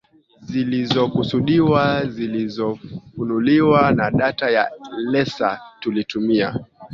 zilizokusudiwa zilizofunuliwa na data ya laser Tulitumia